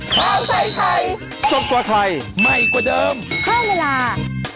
โปรดติดตามตอนต่อไป